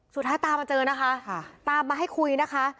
สุดท้ายตามมาเจอนะคะตามมาให้คุยนะคะ